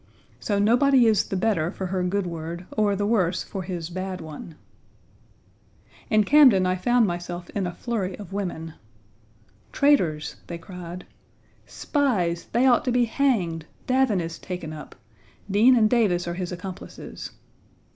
So nobody is the better for her good word, or the, worse for his bad one. Page 60 In Camden I found myself in a flurry of women. "Traitors," they cried. "Spies; they ought to be hanged; Davin is taken up, Dean and Davis are his accomplices."